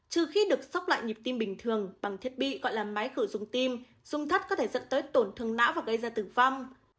trừ khi được sóc lại nhịp tim bình thường bằng thiết bị gọi là máy khử dung tim dung thắt có thể dẫn tới tổn thương não và gây ra tử vong